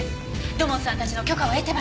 土門さんたちの許可を得てます。